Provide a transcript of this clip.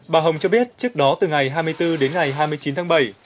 bà hồng cho biết trước đó từ ngày hai mươi bốn đến ngày hai mươi chín tháng bảy